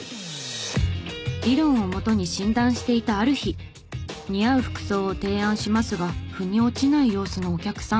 理論を基に診断していたある日似合う服装を提案しますが腑に落ちない様子のお客さん。